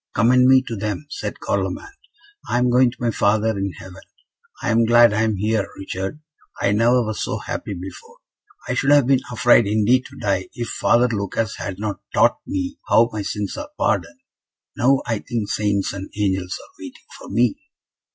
"Commend me to them," said Carloman. "I am going to my Father in heaven. I am glad I am here, Richard; I never was so happy before. I should have been afraid indeed to die, if Father Lucas had not taught me how my sins are pardoned. Now, I think the Saints and Angels are waiting for me."